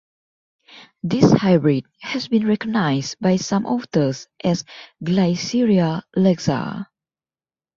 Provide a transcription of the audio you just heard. This hybrid has been recognized by some authors as "Glyceria laxa".